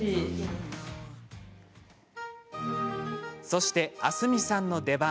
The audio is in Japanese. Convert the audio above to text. そして、あすみさんの出番。